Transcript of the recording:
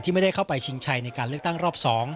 ไม่ได้เข้าไปชิงชัยในการเลือกตั้งรอบ๒